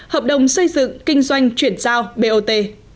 hợp đồng xây dựng kinh doanh chuyển giao bot